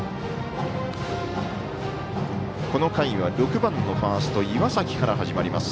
この回は６番のファースト岩崎から始まります